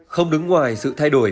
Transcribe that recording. không đứng ngoài sự thay đổi